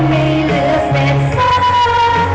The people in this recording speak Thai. ไม่เหลือเศษฟ้า